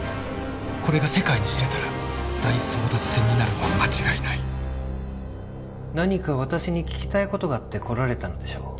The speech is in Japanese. これが世界に知れたら大争奪戦になるのは間違いない何か私に聞きたいことがあって来られたのでしょ？